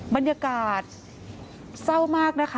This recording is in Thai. บรรยากาศเศร้ามากนะคะ